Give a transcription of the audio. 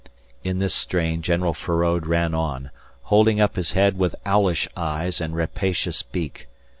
In this strain General Feraud ran on, holding up his head with owlish eyes and rapacious beak.